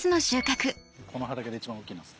この畑で一番大きいなす。